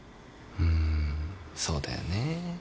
うーんそうだよねぇ。